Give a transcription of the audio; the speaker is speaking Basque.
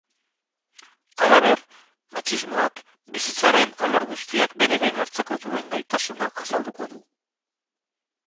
Halaber, matxismoak bizitzaren alor guztiak bere gain hartzeko duen gaitasuna azalduko du.